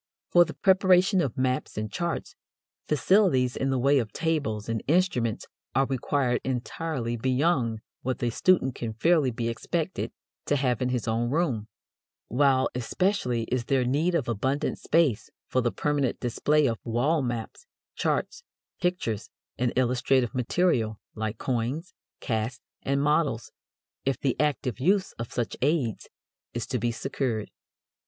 For the preparation of maps and charts, facilities in the way of tables and instruments are required entirely beyond what the student can fairly be expected to have in his own room; while especially is there need of abundant space for the permanent display of wall maps, charts, pictures, and illustrative material, like coins, casts, and models, if the active use of such aids is to be secured.